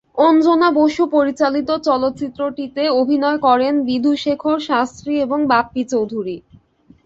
অঞ্জনা বসু পরিচালিত চলচ্চিত্রটিতে অভিনয় করেন বিধুশেখর শাস্ত্রী এবং বাপ্পি চৌধুরী।